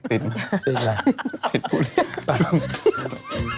ติดมั้ยติดผู้ลี่